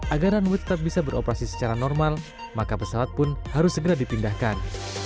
agar runway tetap bisa beroperasi secara normal maka pesawat pun harus segera dipindahkan